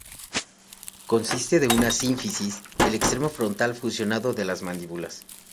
Consiste de una sínfisis, el extremo frontal fusionado de las mandíbulas.